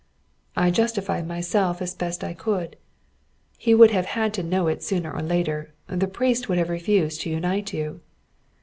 I justified myself as best I could. "He would have had to know it sooner or later. The priest would have refused to unite you."